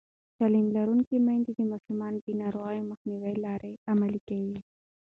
تعلیم لرونکې میندې د ماشومانو د ناروغۍ مخنیوي لارې عملي کوي.